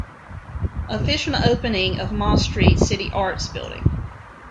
Official opening of Moss Street City Arts Building.